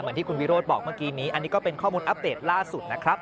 ที่คุณวิโรธบอกเมื่อกี้นี้อันนี้ก็เป็นข้อมูลอัปเดตล่าสุดนะครับ